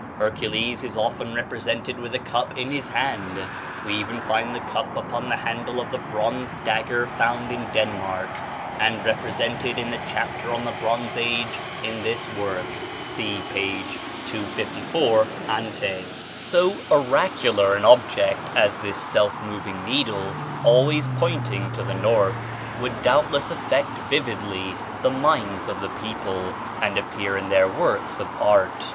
Hercules is often represented with a cup in his hand; we even find the cup upon the handle of the bronze dagger found in Denmark, and represented in the chapter on the Bronze Age, in this work. (See p. 254 ante.) So "oracular" an object as this self moving needle, always pointing to the north, would doubtless affect vividly the minds of the people, and appear in their works of art.